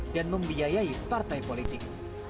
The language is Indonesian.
dan membiayai partai politik